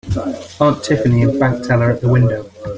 Aunt Tiffany and bank teller at the window.